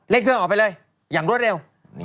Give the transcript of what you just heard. เล่นเครื่องออกไปเลยยั่งรถเร็ว